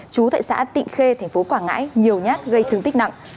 chú tại xã tị khe tp quảng ngãi nhiều nhát gây thương tích nặng